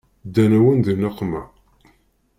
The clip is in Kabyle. Ddan-awen di nneqma.